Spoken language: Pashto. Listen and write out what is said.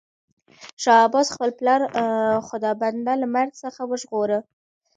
شاه عباس خپل پلار خدابنده له مرګ څخه وژغوره.